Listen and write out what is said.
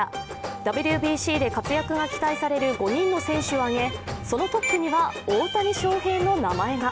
ＷＢＣで活躍が期待される５人の選手を挙げそのトップには大谷翔平の名前が。